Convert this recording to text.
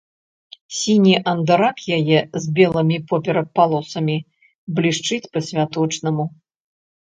Сіні андарак яе з белымі поперак палосамі блішчыць па-святочнаму.